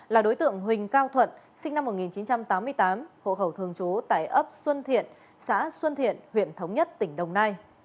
là đối tượng huỳnh cao thuận sinh năm một nghìn chín trăm tám mươi tám hộ khẩu thường trú tại ấp xuân thiện xã xuân thiện huyện thống nhất tỉnh đồng nai